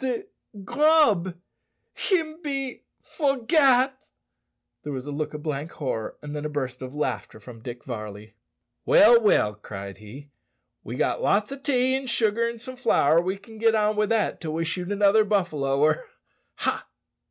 "De grub him be forgat!" There was a look of blank horror, and then a burst of laughter from Dick Varley. "Well, well," cried he, "we've got lots o' tea an' sugar, an' some flour; we can git on wi' that till we shoot another buffalo, or a ha!"